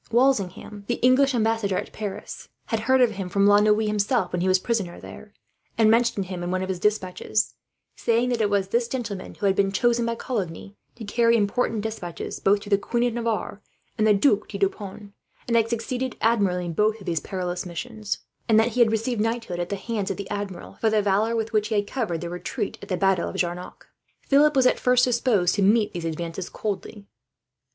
Walsingham, the English ambassador at Paris, had heard of him from La Noue himself, when he was a prisoner there; and mentioned him in one of his despatches, saying that it was this gentleman who had been chosen, by Coligny, to carry important despatches both to the Queen of Navarre and the Duc de Deux Ponts, and had succeeded admirably in both these perilous missions; and that he had received knighthood, at the hands of the Admiral, for the valour with which he had covered the retreat at the battle of Jarnac. Philip was, at first, disposed to meet these advances coldly.